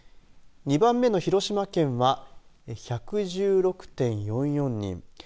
２番目の広島県は１１６．４４人。